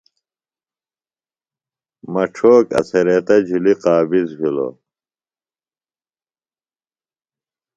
مڇھوک اڅھریتہ جُھلی قابض بِھلوۡ